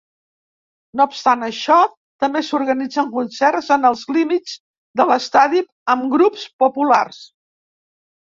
No obstant això, també s'organitzen concerts en els límits de l'estadi amb grups populars.